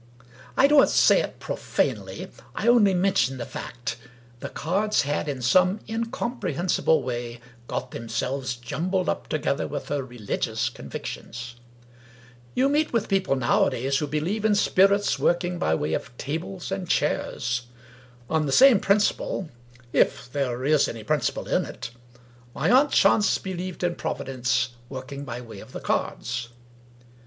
I, don't say it profanely; I only mention the fact — the cards had, in some incomprehensible way, got themselves jumbled up together with her religious convictions. . You meet with people nowadays who believe in spirits working by way of 225 English Mystery Stories tables and chairs. On the same principle (if there is any principle in it) my aunt Chance believed in Providence working by way of the cards.